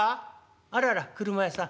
あらら俥屋さん。